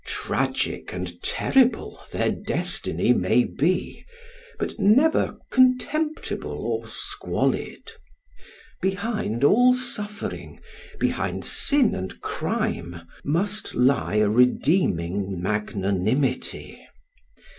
Tragic and terrible their destiny may be, but never contemptible or squalid. Behind all suffering, behind sin and crime, must lie a redeeming magnanimity.